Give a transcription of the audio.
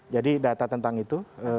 jadi data tentang itu